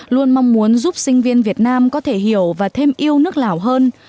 luôn mong muốn giúp sinh viên việt nam có thể hiểu và thêm yêu nước lào hơn